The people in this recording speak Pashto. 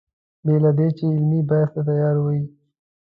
بې له دې چې علمي بحث ته تیار وي.